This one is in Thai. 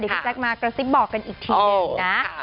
เดี๋ยวพี่แจ๊กมาก็ซิบบอกกันอีกทีนะ